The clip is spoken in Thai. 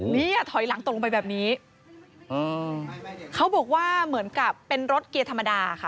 เนี่ยถอยหลังตกลงไปแบบนี้เขาบอกว่าเหมือนกับเป็นรถเกียร์ธรรมดาค่ะ